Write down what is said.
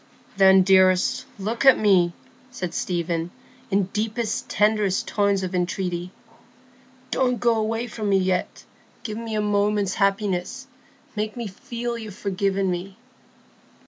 "Then, dearest, look at me," said Stephen, in deepest, tenderest tones of entreaty. "Don't go away from me yet. Give me a moment's happiness; make me feel you've forgiven me."